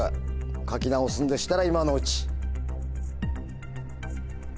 書き直すんでしたら今のうち。